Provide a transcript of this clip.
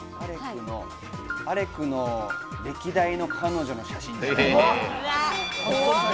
アレクの歴代の彼女の写真じ